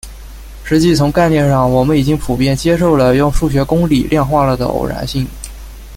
实际从概念上我们已经普遍接受了用数学公理量化了的偶然性。